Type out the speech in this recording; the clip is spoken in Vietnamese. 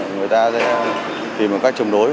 người ta sẽ tìm một cách chống đối